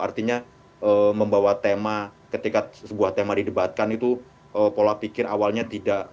artinya membawa tema ketika sebuah tema didebatkan itu pola pikir awalnya tidak